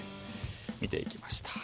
見ていきました。